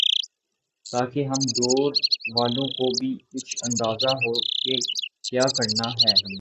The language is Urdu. تاکہ ہم دور والوں کو بھی کچھ اندازہ ہوکہ کیا کرنا ہے ہم نے